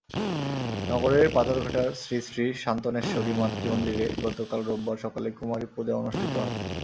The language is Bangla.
নগরের পাথরঘাটার শ্রীশ্রী শান্তনেশ্বরী মাতৃমন্দিরে গতকাল রোববার সকালে কুমারী পূজা অনুষ্ঠিত হয়।